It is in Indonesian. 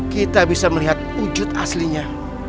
kita bisa melihat wujud aslinya